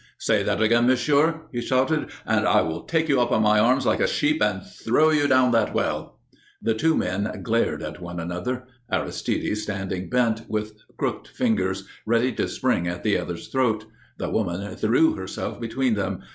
"Say that again, monsieur," he shouted, "and I will take you up in my arms like a sheep and throw you down that well." The two men glared at one another, Aristide standing bent, with crooked fingers, ready to spring at the other's throat. The woman threw herself between them.